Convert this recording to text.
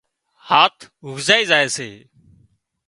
هاٿ هُوزائي زائي سي